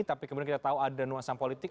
tapi kemudian kita tahu ada nuansa politik